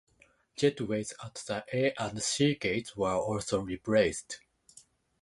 Jetways at the A and C gates were also replaced.